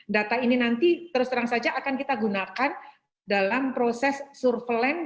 data ini nanti terus terang saja akan kita gunakan dalam proses surveillance